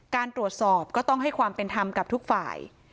การตรวจสอบก็ต้องให้ความเป็นธรรมกับทุกฝ่าย